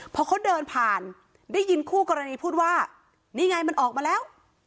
พอเขาเดินผ่านได้ยินคู่กรณีพูดว่านี่ไงมันออกมาแล้ว